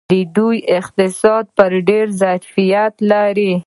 د دوی اقتصاد ډیر ظرفیت لري.